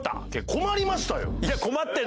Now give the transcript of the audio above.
困りました！